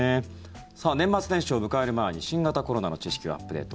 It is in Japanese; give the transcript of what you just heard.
さあ、年末年始を迎える前に新型コロナの知識をアップデート